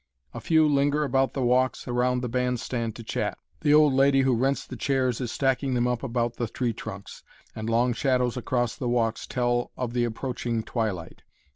A few linger about the walks around the band stand to chat. The old lady who rents the chairs is stacking them up about the tree trunks, and long shadows across the walks tell of the approaching twilight.